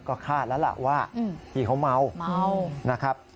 ก็คาดแล้วล่ะว่าพี่เขาเมา